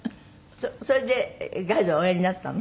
それでガイドおやりになったの？